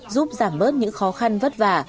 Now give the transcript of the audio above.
giúp giảm bớt những khó khăn vất vả